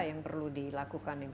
apa yang perlu dilakukan